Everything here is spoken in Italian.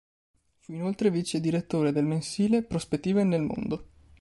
Fu inoltre vicedirettore del mensile "Prospettive nel mondo".